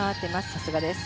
さすがです。